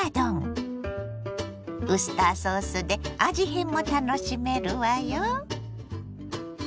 ウスターソースで味変も楽しめるわよ。